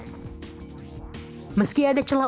meski ada celah untuk memanfaatkan kelanghan kita